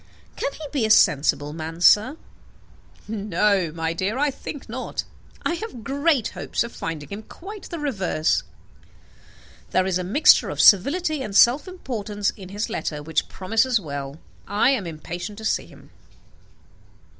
Can he be a sensible man, sir?" "No, my dear; I think not. I have great hopes of finding him quite the reverse. There is a mixture of servility and self importance in his letter which promises well. I am impatient to see him."